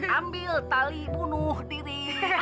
ambil tali bunuh diri